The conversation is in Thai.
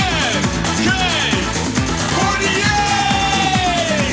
พร้อมหรือยัง